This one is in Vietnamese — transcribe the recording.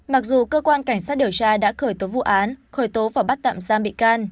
mặc dù cơ quan cảnh sát điều tra đã khởi tố vụ án khởi tố và bắt tạm giam bị can